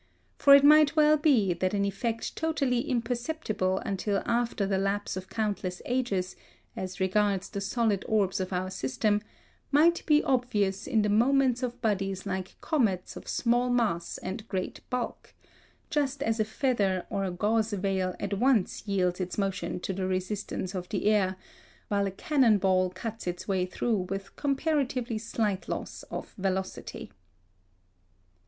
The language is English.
For it might well be that an effect totally imperceptible until after the lapse of countless ages, as regards the solid orbs of our system, might be obvious in the movements of bodies like comets of small mass and great bulk; just as a feather or a gauze veil at once yields its motion to the resistance of the air, while a cannon ball cuts its way through with comparatively slight loss of velocity.